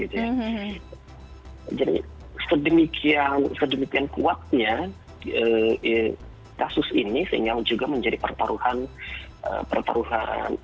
jadi sedemikian kuatnya kasus ini sehingga juga menjadi pertaruhan